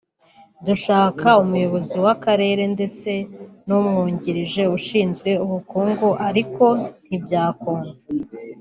dushaka umuyobozi w’akarere ndetse n’umwungirije ushinzwe ubukungu ariko ntibyakunda